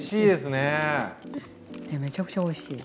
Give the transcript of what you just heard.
めちゃくちゃおいしい。